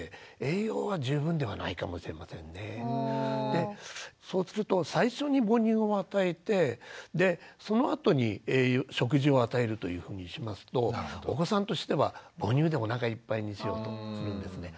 でそうすると最初に母乳を与えてでそのあとに食事を与えるというふうにしますとお子さんとしては母乳でおなかいっぱいにしようとするんですね。